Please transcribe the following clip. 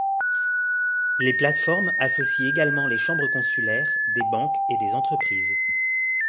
Les plateformes associent également les chambres consulaires, des banques et des entreprises.